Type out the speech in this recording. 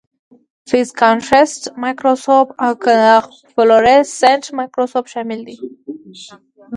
فیز کانټرسټ مایکروسکوپ او فلورسینټ مایکروسکوپ شامل دي.